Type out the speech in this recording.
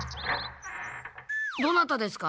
どなたですか？